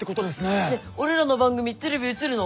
ねっ俺らの番組テレビ映るの？